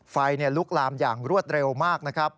ไฟลุกลามอย่างรวดเร็วมากนะครับ